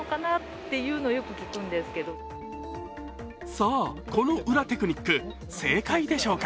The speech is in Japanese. さあ、この裏テクにック、正解でしょうか？